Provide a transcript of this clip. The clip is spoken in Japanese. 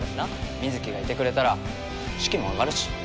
水城がいてくれたら士気も上がるし。